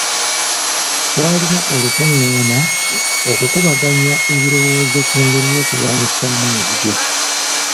Twalina olukungaana okukubaganya ebirowoozo ku ngeri y'okulwanyisaamu enzige.